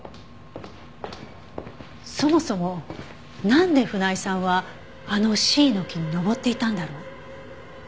そもそもなんで船井さんはあのシイの木に登っていたんだろう？